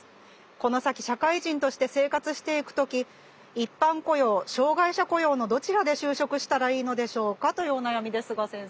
この先社会人として生活していく時一般雇用障害者雇用のどちらで就職したらいいのでしょうか？」というお悩みですが先生。